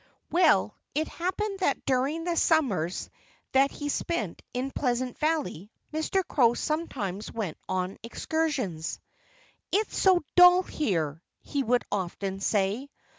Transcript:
Well, it happened that during the summers that he spent in Pleasant Valley Mr. Crow sometimes went on excursions. "It's so dull here!" he would often say.